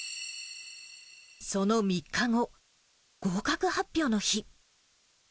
その３日後、合格発表の日。